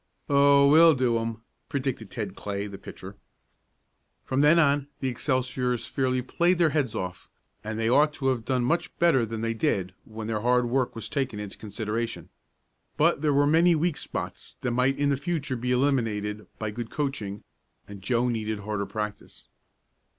"Oh, we'll do 'em," predicted Ted Clay, the pitcher. From then on the Excelsiors fairly "played their heads off," and they ought to have done much better than they did when their hard work was taken into consideration. But there were many weak spots that might in the future be eliminated by good coaching, and Joe needed harder practice.